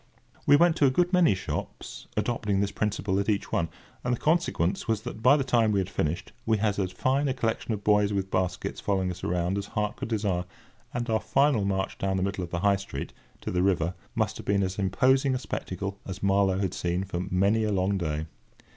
We went to a good many shops, adopting this principle at each one; and the consequence was that, by the time we had finished, we had as fine a collection of boys with baskets following us around as heart could desire; and our final march down the middle of the High Street, to the river, must have been as imposing a spectacle as Marlow had seen for many a long day.